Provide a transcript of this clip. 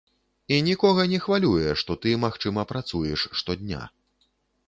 І нікога не хвалюе, што ты, магчыма, працуеш штодня.